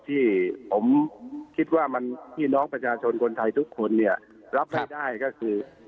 ที่ผมคิดว่ามันพี่น้องประชาชนคนไทยทุกคนเนี่ยรับไม่ได้ก็คือ